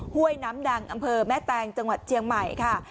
ห้วยน้ำดังอำเภอแม่แตงจังหวัดเจียงใหม่ค่ะ